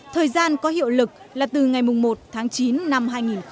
thời gian có hiệu lực là từ ngày một tháng chín năm hai nghìn một mươi tám